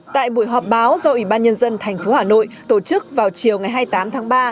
tại buổi họp báo do ủy ban nhân dân tp hà nội tổ chức vào chiều ngày hai mươi tám tháng ba